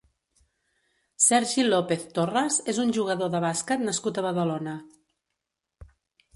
Sergi López Torras és un jugador de bàsquet nascut a Badalona.